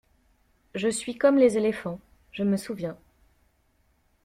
Je suis comme les éléphants, je me souviens.